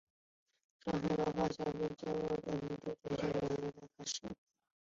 震撼花样滑冰界的恶女主角的最凶传说就这样开始了！